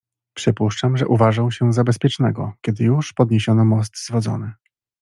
"Przypuszczam, że uważał się za bezpiecznego, kiedy już podniesiono most zwodzony."